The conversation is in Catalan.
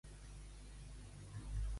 Qui és el pare de Segundo?